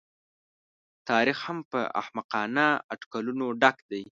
تاریخ هم په احمقانه اټکلونو ډک دی.